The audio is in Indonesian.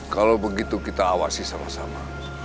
kalau begitu kita awasi sama sama